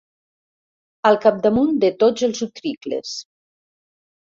Al capdamunt de tots els utricles.